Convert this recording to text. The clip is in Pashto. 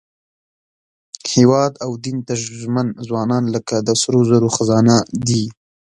هېواد او دین ته ژمن ځوانان لکه د سرو زرو خزانه دي.